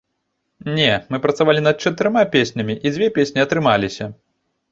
Не, мы працавалі над чатырма песнямі, і дзве песні атрымаліся.